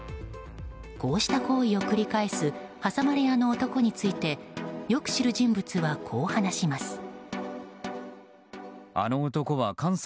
こうした行為を繰り返す挟まれ屋の男についてよく知る人物はこう話します。